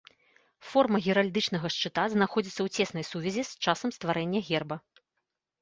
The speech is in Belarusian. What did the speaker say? Форма геральдычнага шчыта знаходзіцца ў цеснай сувязі з часам стварэння герба.